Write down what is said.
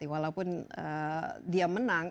walaupun dia menang